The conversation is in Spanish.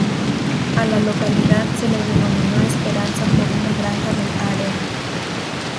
A la localidad se le denominó Esperanza por una granja del área.